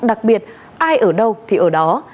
đặc biệt ai ở đâu thì ở đó